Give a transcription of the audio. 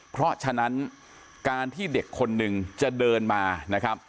เพราะฉะนั้นการที่เด็กคนหนึ่งจะเดินมานะครับ